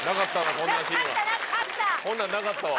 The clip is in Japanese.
こんなんなかったわ。